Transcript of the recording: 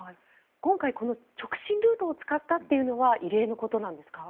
今回、この直進ルートを使ったというのは異例のことなんですか？